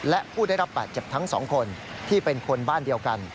และผู้ได้รับบาดเจ็บทั้งสองคนที่เป็นคนบ้านเดียวกัน